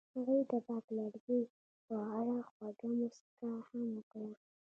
هغې د پاک لرګی په اړه خوږه موسکا هم وکړه.